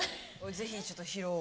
ぜひちょっと披露を。